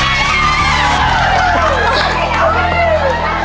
เริ่มครับ